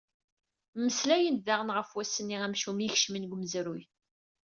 Mmeslayen-d daɣen ɣef wass-nni amcum, i ikecmen deg umezruy.